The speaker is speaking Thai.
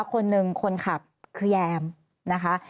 คนหนึ่งคนขับคือแยมนะคะ